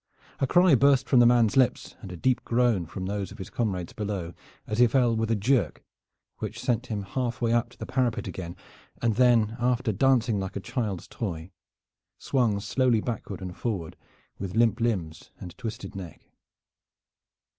A cry burst from the man's lips and a deep groan from those of his comrades below as he fell with a jerk which sent him half way up to the parapet again, and then after dancing like a child's toy swung slowly backward and forward with limp limbs and twisted neck.